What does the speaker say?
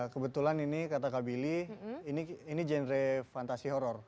kebetulan ini kata kak billy ini genre fantasi horror